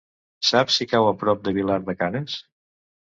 Saps si cau a prop de Vilar de Canes?